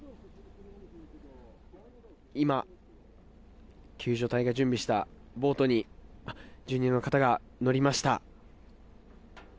今、救助隊が準備したボートに住人の方が乗りました。